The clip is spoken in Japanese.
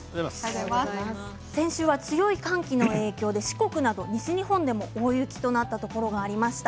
先週は強い寒気の影響で四国など西日本でも大雪となったところがありました。